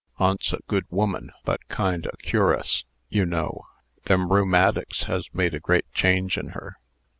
Aunt's a good woman, but kind o' cur'us, you know. Them rheumatics has made a great change in her."